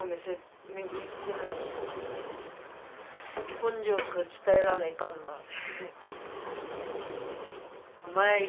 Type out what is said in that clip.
根性とか鍛えらんないかんなって。